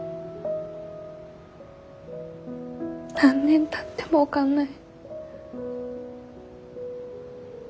何年たっても分かんない。